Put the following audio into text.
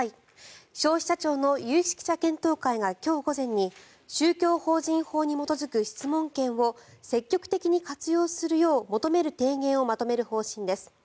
消費者庁の有識者検討会が今日午前に宗教法人法に基づく質問権を積極的に活用するよう求める提言をまとめる方針です。